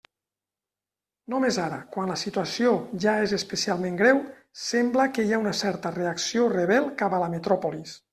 Només ara, quan la situació ja és especialment greu, sembla que hi ha una certa reacció rebel cap a la metròpolis.